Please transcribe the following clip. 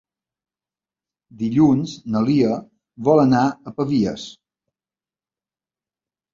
Dilluns na Lia vol anar a Pavies.